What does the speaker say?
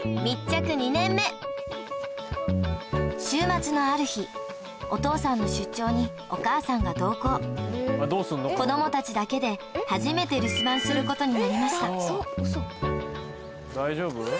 週末のある日お父さんの出張にお母さんが同行子供たちだけで初めて留守番することになりました大丈夫？